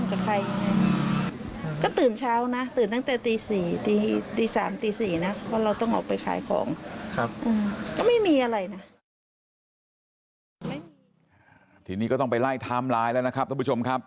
ทีนี้ก็ต้องไปไล่ไทม์ไลน์แล้วนะครับท่านผู้ชมครับ